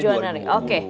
satu januari oke oke